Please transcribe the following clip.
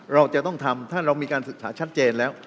เราจะต้องทำถ้าเรามีการศึกษาชัดเจนแล้ว